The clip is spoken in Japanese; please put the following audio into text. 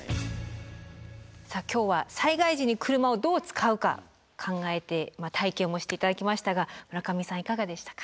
さあ今日は災害時に車をどう使うか考えて体験もして頂きましたが村上さんいかがでしたか？